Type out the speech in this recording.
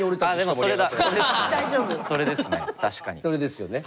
それですよね。